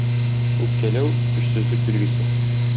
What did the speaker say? Үпкәләү – көчсезлек билгесе.